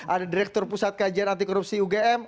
ada direktur pusat kajian antikorupsi ugm